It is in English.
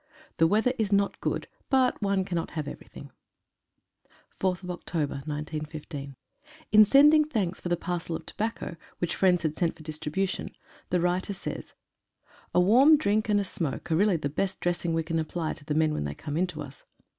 The weather is not good, but one cannot have everything. JN sending thanks for a parcel of tobacco, which friends had sent for distribution, the writer says : "A warm drink and a smoke are really the best dressing we can apply to the men when they come in to us.